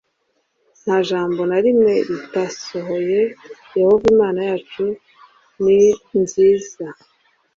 nta jambo na rimwe ritasohoye yehova imana yacu ninziza